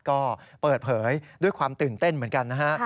ก็เปิดเผยด้วยความตื่นเต้นเหมือนกันนะฮะ